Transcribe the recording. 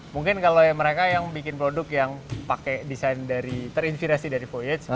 mungkin kalau mereka yang bikin produk yang terinspirasi dari voyage